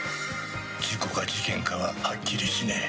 事故か事件かははっきりしねえ。